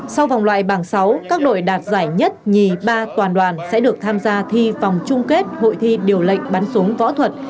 sau vòng loại bảng sáu các đội đạt giải nhất nhì ba toàn đoàn sẽ được tham gia thi vòng chung kết hội thi điều lệnh bắn súng võ thuật